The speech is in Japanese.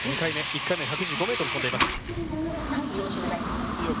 １回目は１１５ｍ飛んでいます。